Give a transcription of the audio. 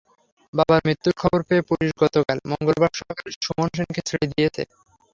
বাবার মৃত্যুর খবর পেয়ে পুলিশ গতকাল মঙ্গলবার সকালে সুমন হোসেনকে ছেড়ে দিয়েছে।